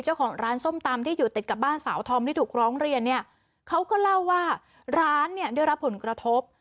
เจ้าของร้านส้มตำที่อยู่ติดกับบ้านสาวธอมที่ถูกร้องเรียนเนี่ยเขาก็เล่าว่าร้านเนี่ยได้รับผลกระทบ